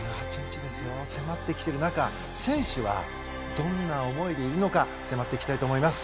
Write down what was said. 迫ってきてる中選手はどんな思いでいるのか迫っていきたいと思います。